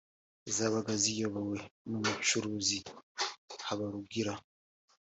zabaga ziyobowe n’umucuruzi Habarugira